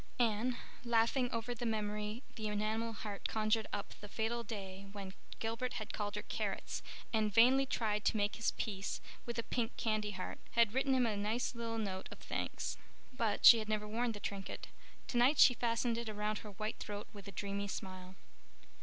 Anne, laughing over the memory the enamel heart conjured up the fatal day when Gilbert had called her "Carrots" and vainly tried to make his peace with a pink candy heart, had written him a nice little note of thanks. But she had never worn the trinket. Tonight she fastened it about her white throat with a dreamy smile.